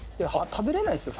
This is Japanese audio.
食べれないですよ